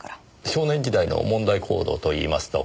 少年時代の問題行動といいますと？